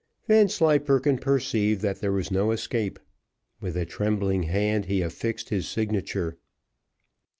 Vanslyperken perceived that there was no escape. With a trembling hand he affixed his signature.